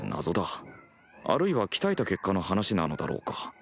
あるいは鍛えた結果の話なのだろうか。